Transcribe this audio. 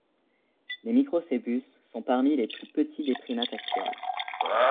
Les Microcebus sont parmi les plus petits des primates actuels.